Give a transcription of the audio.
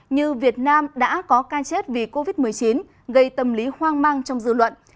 như việt nam đã có ca chết vì covid một mươi chín gây tâm lý hoang mang trong dư luận